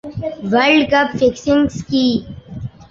world cup fixing سکی